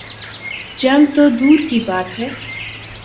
جنگ تو دور کی بات ہے۔